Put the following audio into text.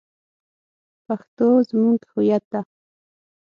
پښتو زمونږ هویت ده